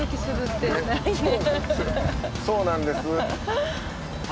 そうなんです。